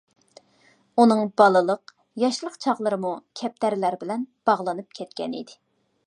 ئۇنىڭ بالىلىق، ياشلىق چاغلىرىمۇ كەپتەرلەر بىلەن باغلىنىپ كەتكەنىدى.